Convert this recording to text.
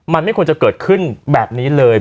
มันไม่ควรจะเกิดขึ้นแบบนี้เลย